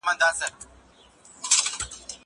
هغه څوک چي شګه پاکوي منظم وي!